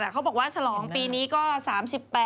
เขาบอกว่าฉลองปีนี้ก็๓๘